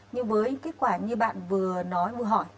nhưng với kết quả như bạn vừa nói vừa hỏi